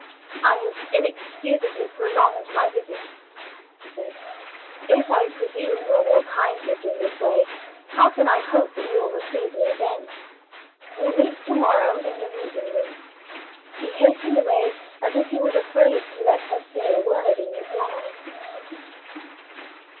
"I have inexcusably prolonged my visit," he said. "If I presume on your kindness in this way, how can I hope that you will receive me again? We meet to morrow in the reading room." He hastened away, as if he was afraid to let her say a word in reply.